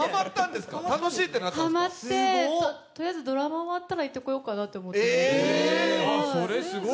ハマって、とりあえずドラマ終わったら行ってこようかなと思ってます。